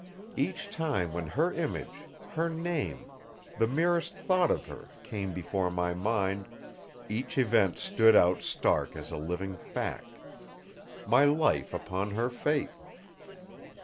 Each time when her image, her name, the merest thought of her, came before my mind, each event stood out stark as a living fact. My life upon her faith!